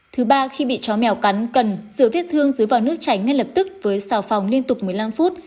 thứ ba khi bị chó mèo cắn cần rửa vết thương dưới vòi nước chảy ngay lập tức với xào phòng liên tục một mươi năm phút